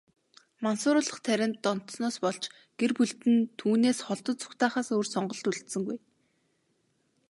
Мансууруулах тарианд донтсоноос болж, гэр бүлд нь түүнээс холдож, зугтаахаас өөр сонголт үлдсэнгүй.